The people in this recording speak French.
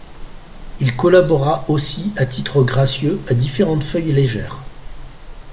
Il collabora aussi à titre gracieux à différentes feuilles légères.